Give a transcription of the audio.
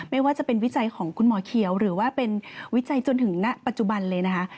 ไม่ว่าจะเป็นวิจัยของคุณหมอเขียวหรือว่าเป็นวิจัยจนถึงณปัจจุบันเลยนะคะ